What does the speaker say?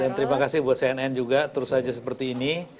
dan terima kasih buat cnn juga terus aja seperti ini